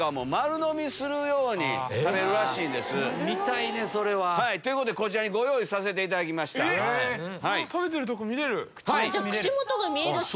見たいねそれは。ということでこちらにご用意させていただきました。食べてるとこ見れる！